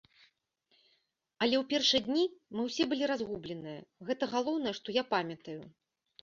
Але ў першыя дні мы ўсе былі разгубленыя, гэта галоўнае, што я памятаю.